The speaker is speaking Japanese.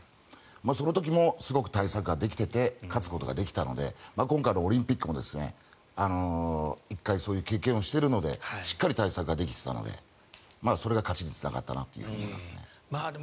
その時もすごく対策ができてて勝つことができたので今回のオリンピックも１回そういう経験しているのでしっかり対策はできていたのでそれが勝ちにつながったなと思いますね。